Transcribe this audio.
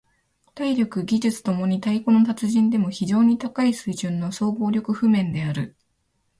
体力・技術共に太鼓の達人でも非常に高い水準の総合力譜面である。